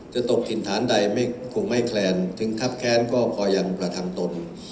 จะตกถิ่นฐานใดไม่คงไม่แคลนถึงคับแค้นก็พอยังกระทำตน